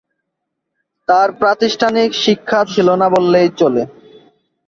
তার প্রাতিষ্ঠানিক শিক্ষা ছিল না বললেই চলে।